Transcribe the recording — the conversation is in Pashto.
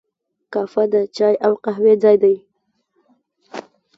کافه د چای او قهوې ځای دی.